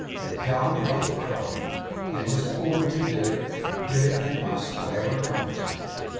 They can't help crowing. They was born to do it, and do it they must, whatever comes of it.